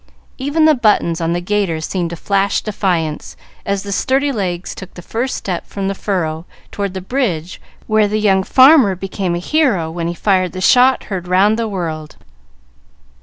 Even the buttons on the gaiters seemed to flash defiance, as the sturdy legs took the first step from the furrow toward the bridge where the young farmer became a hero when he "fired the shot heard 'round the world."